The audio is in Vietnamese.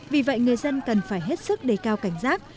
vì vậy người dân cần phải hết sức đề cao cảnh giác